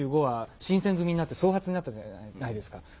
２５話新選組になって総髪になったじゃないですか。